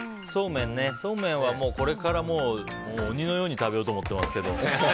そうめんはこれからもう鬼のように食べようと思ってますけども。